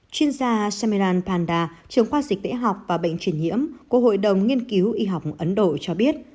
chuyên gia samiran panda trường khoa dịch tễ học và bệnh truyền nhiễm của hội đồng nghiên cứu y học ấn độ cho biết